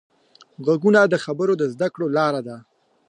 غوږونه د خبرو د زده کړې لاره ده